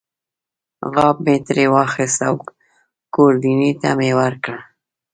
غاب مې ترې واخیست او ګوردیني ته مې ورکړ.